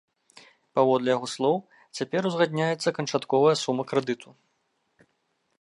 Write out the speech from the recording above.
Паводле яго слоў, цяпер узгадняецца канчатковая сума крэдыту.